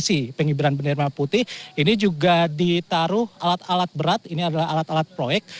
ini juga ditaruh alat alat berat ini adalah alat alat proyek